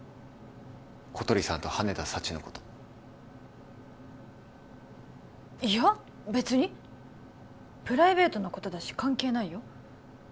小鳥さんと羽田早智のこといや別にプライベートなことだし関係ないよ